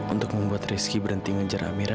untuk membuat rizky berhenti menjarah amira